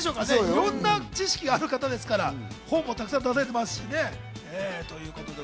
いろんな知識がある方ですから、本もたくさん出されてますしね。